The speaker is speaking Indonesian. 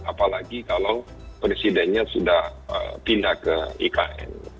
apalagi kalau presidennya sudah pindah ke ikn